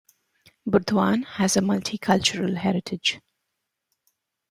Burdwan has a multi-cultural heritage.